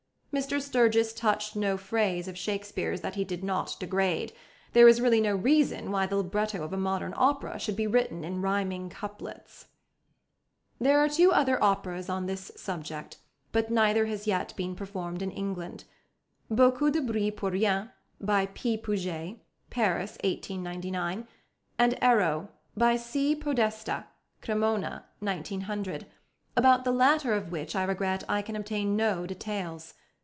Mr Sturgis touched no phrase of Shakespeare's that he did not degrade; there is really no reason why the libretto of a modern opera should be written in rhyming couplets. There are two other operas on this subject, but neither has yet been performed in England: Beaucoup de Bruit pour Rien, by +P. Puget+ (Paris, 1899); and Ero, by +C. Podesta+ (Cremona, 1900), about the latter of which I regret I can obtain no details.